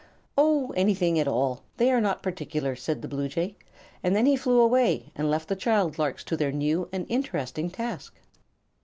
"Oh, anything at all; they are not particular," said the bluejay, and then he flew away and left the child larks to their new and interesting task.